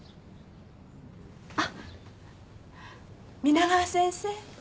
あっ皆川先生。